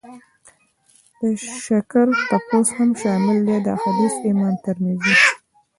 د شکر تپوس هم شامل دی. دا حديث امام ترمذي